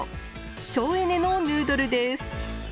省エネのヌードルです。